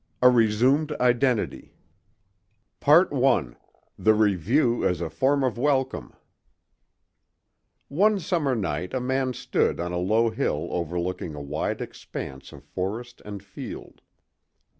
A RESUMED IDENTITY I THE REVIEW AS A FORM OF WELCOME ONE summer night a man stood on a low hill overlooking a wide expanse of forest and field.